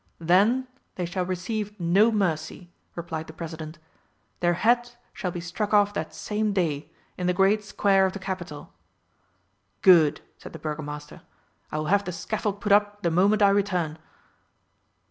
"Then they shall receive no mercy," replied the President. "Their heads shall be struck off that same day, in the great square of the Capital." "Good!" said the Burgomaster. "I will have the scaffold put up the moment I return."